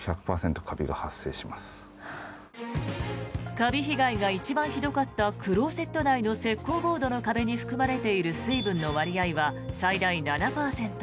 カビ被害が一番ひどかったクローゼット内の石膏ボードの壁に含まれている水分の割合は最大７％。